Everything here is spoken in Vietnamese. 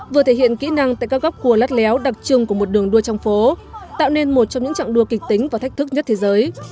vừa thể hiện kỹ năng tại các góc cua lắt léo đặc trưng của một đường đua trong phố tạo nên một trong những trạng đua kịch tính và thách thức nhất thế giới